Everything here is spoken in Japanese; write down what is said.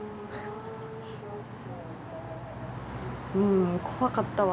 うん怖かったわ